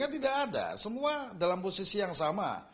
tidak ada semua dalam posisi yang sama